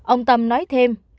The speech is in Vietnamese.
ông tâm nói thêm